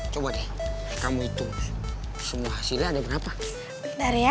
coba kamu itu semua hasilnya ada kenapa dari ya